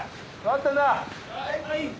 はい！